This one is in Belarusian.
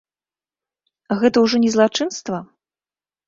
Гэта ўжо не злачынства?